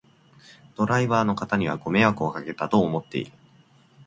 ドライバーの方にはご迷惑をかけたと思っている